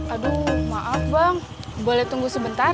aduh maaf bang boleh tunggu sebentar